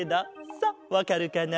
さあわかるかな？